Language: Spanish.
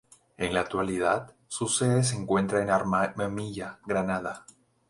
En la actualidad su sede se encuentra en Armilla, Granada.